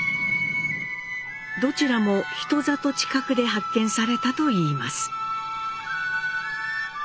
どちらも人里近くで発見されたといいます。